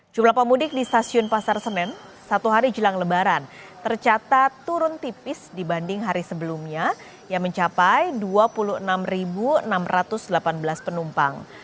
jumlah pemudik di stasiun pasar senen satu hari jelang lebaran tercatat turun tipis dibanding hari sebelumnya yang mencapai dua puluh enam enam ratus delapan belas penumpang